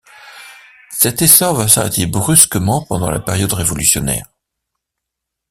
Cet essor va s'arrêter brusquement pendant la période révolutionnaire.